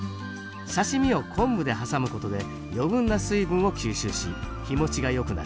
刺身を昆布で挟むことで余分な水分を吸収し日もちが良くなる。